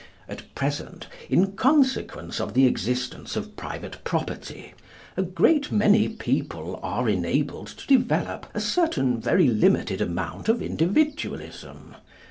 At present, in consequence of the existence of private property, a great many people are enabled to develop a certain very limited amount of Individualism.